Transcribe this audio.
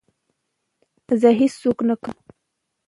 زه هېڅ څوک نه کوم.